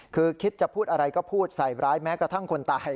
คือคิดจะพูดอะไรก็พูดใส่ร้ายแม้กระทั่งคนตาย